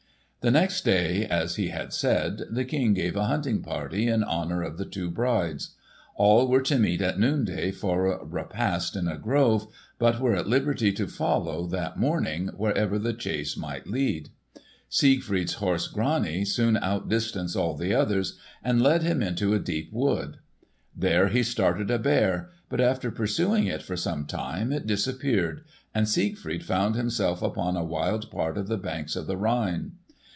The next day, as he had said, the King gave a hunting party in honour of the two brides. All were to meet at noonday for a repast in a grove, but were at liberty to follow, that morning, wherever the chase might lead. Siegfried's horse Grani soon outdistanced all the others and led him into a deep wood. There he started a bear, but after pursuing it for some time it disappeared, and Siegfried found himself upon a wild part of the banks of the Rhine.